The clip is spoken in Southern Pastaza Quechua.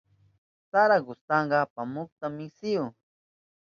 Sara kustalka apamuhukta winsihun.